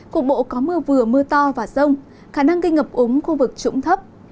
cục bộ có mưa vừa mưa to và rông khả năng gây ngập úng khu vực trũng thấp